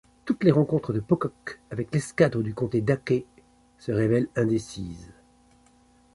Toutes les rencontres de Pocock avec l'escadre du comte d'Aché se révèlent indécises.